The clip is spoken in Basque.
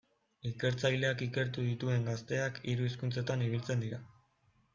Ikertzaileak ikertu dituen gazteak hiru hizkuntzetan ibiltzen dira.